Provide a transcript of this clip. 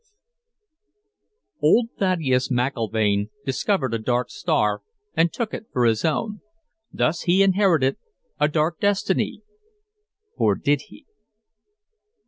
_] _Old Thaddeus McIlvaine discovered a dark star and took it for his own. Thus he inherited a dark destiny or did he?